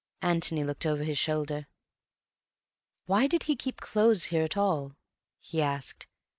Antony looked over his shoulder. "Why did he keep clothes here at all?" he asked.